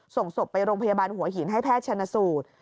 ส่งศพไปโรงพยาบาลหัวหินให้แพทย์ชนสูตร